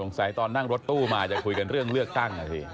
ตอนนั่งรถตู้มาจะคุยกันเรื่องเลือกตั้งอ่ะสิ